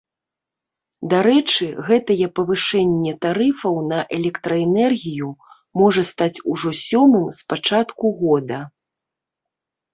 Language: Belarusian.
Дарэчы, гэтае павышэнне тарыфаў на электраэнергію можа стаць ужо сёмым з пачатку года.